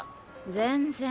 全然。